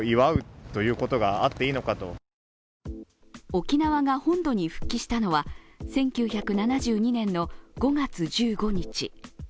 沖縄が本土に復帰したのは１９７２年の５月１５日。